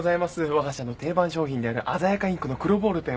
わが社の定番商品である鮮やかインクの黒ボールペンを。